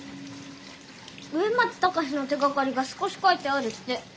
ウエマツタカシの手がかりが少し書いてあるって。